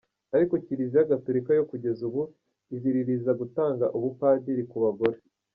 Ariko Kiliziya Gatolika yo kugeza ubu iziririza gutanga ubupadiri ku bagore.